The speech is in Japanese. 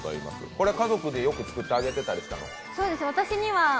これは家族によく作ってあげていたの？